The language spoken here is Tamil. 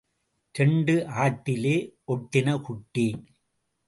இரண்டு ஆட்டிலே ஒட்டின குட்டி.